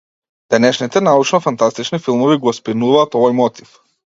Денешните научно-фантастични филмови го спинуваат овој мотив.